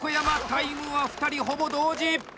タイムは２人ほぼ同時！